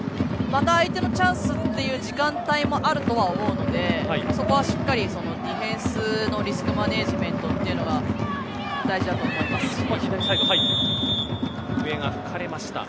また相手のチャンスという時間帯もあると思うのでそこはしっかりディフェンスのリスクマネジメント笛が吹かれました。